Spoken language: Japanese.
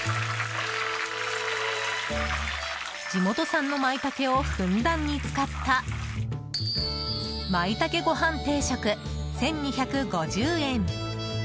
地元産のマイタケをふんだんに使った舞茸ごはん定食、１２５０円。